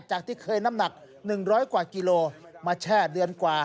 ที่เคยน้ำหนัก๑๐๐กว่ากิโลมาแช่เดือนกว่า